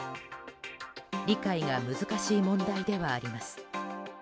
理解が難しい問題ではあります。